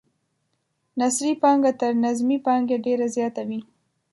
نثري پانګه تر نظمي پانګې ډیره زیاته وي.